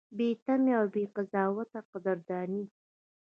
بې تمې او بې قضاوته قدرداني: